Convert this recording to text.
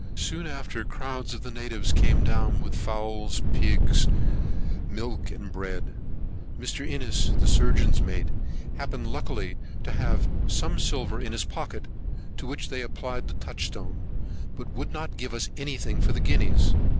Soon after, crowds of the natives came down with fowls, pigs, milk, and bread. Mr. Innes, the surgeon's mate, happened luckily to have some silver in his pocket, to which they applied the touchstone, but would not give us any thing for guineas.